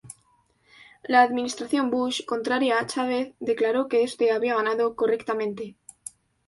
La administración Bush, contraria a Chávez, declaró que este había ganado correctamente.